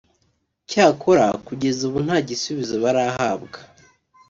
cyakora kugeza ubu nta gisubizo barahabwa